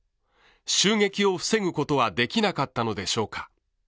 襲撃を防ぐことはできなかったのでしょうか。